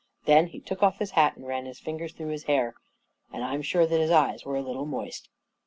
Then he took off his hat and ran his fingers through his hair; and I'm Hare that his eyes were a little moist.